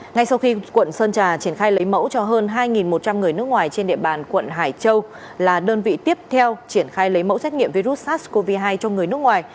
ngay sau khi quận sơn trà triển khai lấy mẫu cho hơn hai một trăm linh người nước ngoài trên địa bàn quận hải châu là đơn vị tiếp theo triển khai lấy mẫu xét nghiệm virus sars cov hai cho người nước ngoài